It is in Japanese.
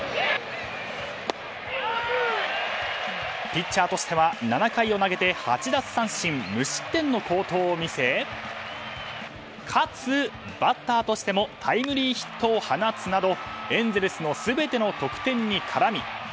ピッチャーとしては７回を投げて８奪三振無失点の好投を見せかつバッターとしてもタイムリーヒットを放つなどエンゼルスの全ての得点に絡み。